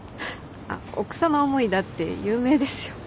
奥さま思いだって有名ですよ。